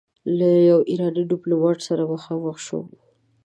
له يوه ايراني ډيپلومات سره مخامخ شوم.